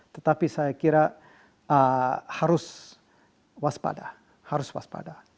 tetapi saya kira harus waspada